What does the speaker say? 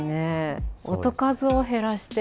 音数を減らして。